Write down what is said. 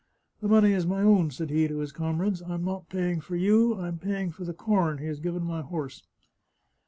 " The money is my own," said he to his comrades. " I'm not paying for you ; I'm paying for the corn he has given my horse."